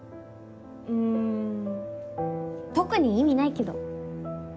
うん特に意味ないけど。